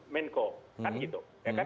menko kan gitu